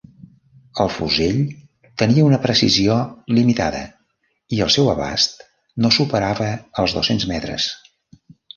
El fusell tenia una precisió limitada i el seu abast no superava els dos-cents metres.